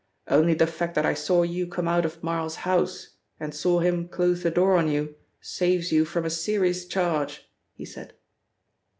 "Only the fact that I saw you come out of Marl's house and saw him close the door on you, saves you from a serious charge," he said.